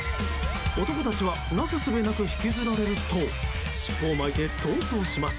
男たちはなすすべなく引きずられると尻尾を巻いて逃走します。